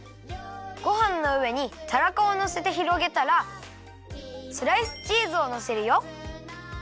ごはんのうえにたらこをのせてひろげたらスライスチーズをのせるよ。